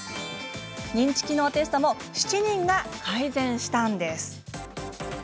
認知機能テストも７人が改善したんです。